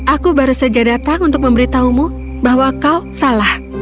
aku baru saja datang untuk memberitahumu bahwa kau salah